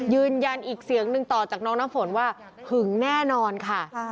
ยืนยันอีกเสียงหนึ่งต่อจากน้องน้ำฝนว่าหึงแน่นอนค่ะ